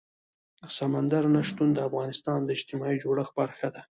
سمندر نه شتون د افغانستان د اجتماعي جوړښت برخه ده.